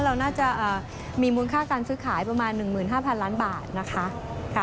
เราน่าจะมีมูลค่าการซื้อขายประมาณ๑๕๐๐ล้านบาทนะคะ